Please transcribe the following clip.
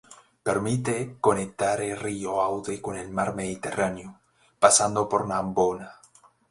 Permite conectar el río Aude con el mar Mediterráneo pasando por Narbona.